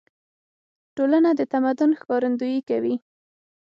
ټولنه د تمدن ښکارندويي کوي.